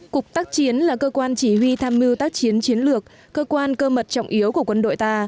cục tác chiến là cơ quan chỉ huy tham mưu tác chiến chiến lược cơ quan cơ mật trọng yếu của quân đội ta